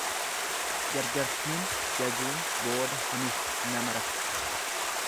Jarjartiin jajuun, booda hamif nama rakkisa.